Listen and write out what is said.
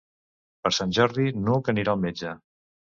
Per Sant Jordi n'Hug anirà al metge.